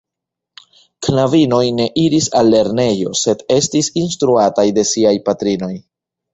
Knabinoj ne iris al lernejo, sed estis instruataj de siaj patrinoj.